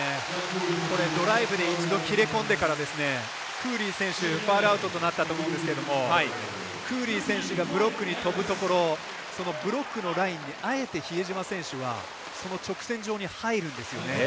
ドライブで一度切り込んでからクーリー選手ファウルアウトとなったと思うんですけれどもクーリー選手がブロックに跳ぶところそのブロックのラインにあえて比江島選手はその直線状に入るんですよね。